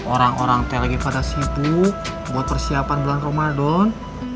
orang orang tlg pada sibuk buat persiapan bulan ramadan